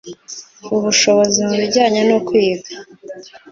ubushobozi mu bijyanye no kwiga